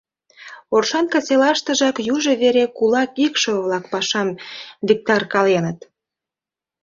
Оршанка селаштыжак южо вере кулак икшыве-влак пашам виктаркаленыт.